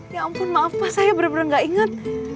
ya ampun maaf pak saya bener bener gak inget